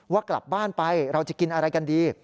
ว่ากลับบ้านไปเราจะกินอะไรกันดี